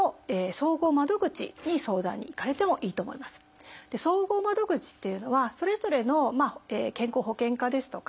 総合窓口っていうのはそれぞれの健康保険課ですとか